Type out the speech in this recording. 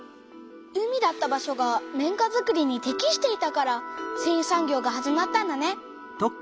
海だった場所が綿花づくりにてきしていたからせんい産業が始まったんだね。